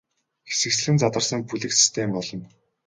Хэсэгчлэн задарсан бүлэг систем болно.